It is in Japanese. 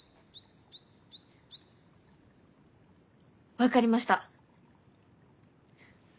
分かりました。